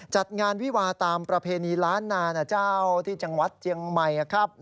จัดงานวิวาตามประเพณีล้านนานะเจ้าที่จังหวัดเจียงใหม่ครับ